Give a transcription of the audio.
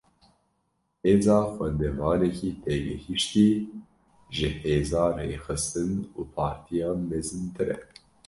Hêza xwendevanekî têgihiştî, ji hêza rêxistin û partiyan mezintir e